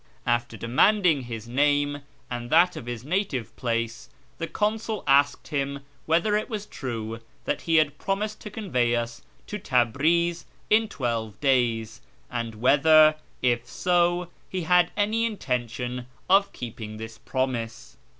After demanding his name and that of his native place, the cousid asked him whether it was true that lie had promised to convey us to Tabriz in twelve days, and whether, if so, he had any intention of keeping this promise.